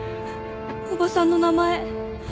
おばさんの名前。